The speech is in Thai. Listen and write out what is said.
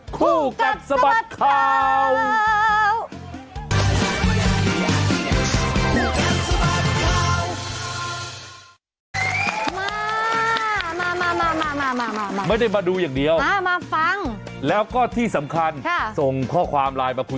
คู่กับสมัครข่าว